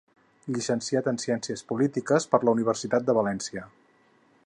Llicenciat en ciències polítiques per la Universitat de València.